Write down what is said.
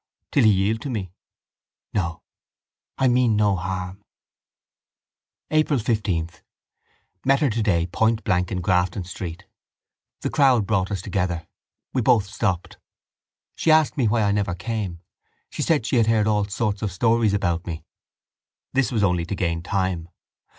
Till he yield to me? No. I mean no harm. April 15. Met her today point blank in Grafton Street. The crowd brought us together. We both stopped. She asked me why I never came, said she had heard all sorts of stories about me. This was only to gain time.